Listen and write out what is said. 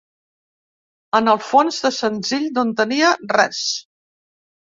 En el fons, de senzill no en tenia res.